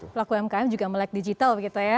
pelaku wmkm juga melek digital gitu ya